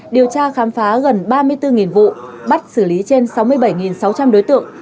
điều tra khám phá gần ba mươi bốn vụ bắt xử lý trên sáu mươi bảy sáu trăm linh đối tượng